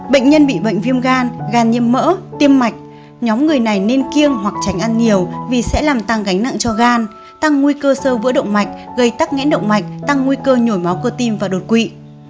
bệnh nhân bị bệnh viêm gan gan nhiễm mỡ tim mạch nhóm người này nên kiêng hoặc tránh ăn nhiều vì sẽ làm tăng gánh nặng cho gan tăng nguy cơ sơ vữa động mạch gây tắc nghẽn động mạch tăng nguy cơ nhồi máu cơ tim và đột quỵ